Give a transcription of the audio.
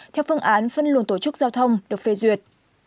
theo phương án phân luồng tổ chức giao thông được phê duyệt